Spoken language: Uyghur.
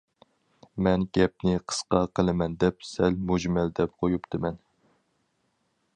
مەن گەپنى قىسقا قىلىمەن دەپ سەل مۈجمەل دەپ قويۇپتىمەن.